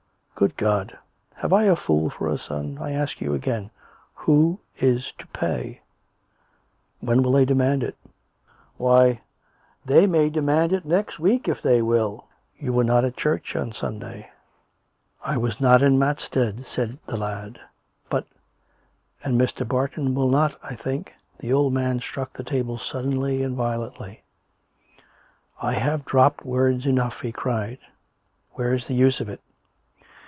" Good God ! have I a fool for a son ? I ask you again, Who is it to pay ?"" When will they demand it ?"" Why, they may demand it next week, if they will ! You were not at church on Sunday !"" I was not in Matstead," said the lad. " But "" And Mr. Barton will not, I think " The old man struck the table suddenly and violently. I have dropped words enough," he cried. " Where's 116 COME RACK! COME ROPE! the use of it?